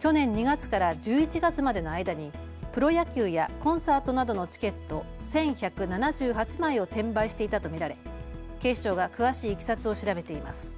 去年２月から１１月までの間にプロ野球やコンサートなどのチケット１１７８枚を転売していたと見られ警視庁が詳しいいきさつを調べています。